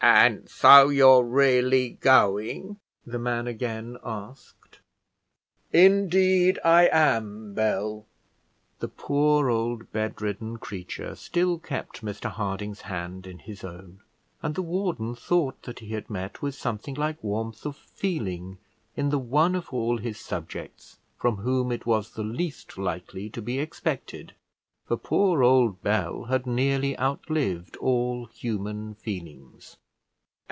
"And so you're really going?" the man again asked. "Indeed I am, Bell." The poor old bed ridden creature still kept Mr Harding's hand in his own, and the warden thought that he had met with something like warmth of feeling in the one of all his subjects from whom it was the least likely to be expected; for poor old Bell had nearly outlived all human feelings.